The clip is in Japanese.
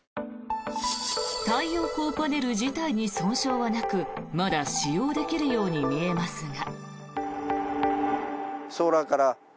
太陽光パネル自体に損傷はなくまだ使用できるように見えますが。